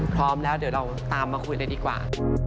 พร้อมแล้วเดี๋ยวเราตามมาคุยเลยดีกว่า